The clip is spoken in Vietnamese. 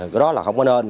cái đó là không có nên